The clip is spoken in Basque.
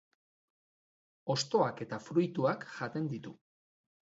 Hostoak eta fruituak jaten ditu.